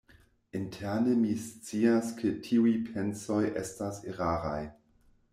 Interne mi scias ke tiuj pensoj estas eraraj.